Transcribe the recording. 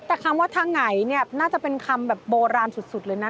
แต่คำว่าทางไหนเนี่ยน่าจะเป็นคำแบบโบราณสุดเลยนะ